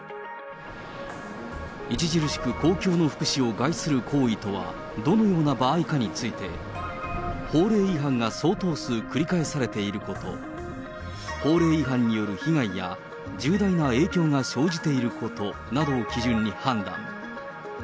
著しく公共の福祉を害する行為とは、どのような場合かについて、法令違反が相当数、繰り返されていること、法令違反による被害や、重大な影響が生じていることなどを基準に判断。